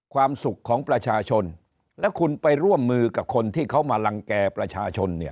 ความสุขของประชาชนและคุณไปร่วมมือกับคนที่เขามารังแก่ประชาชนเนี่ย